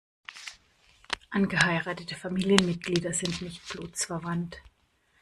Angeheiratete Familienmitglieder sind nicht blutsverwandt.